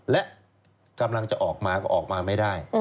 และกำลังจะออกมาก็ออกมาไม่ได้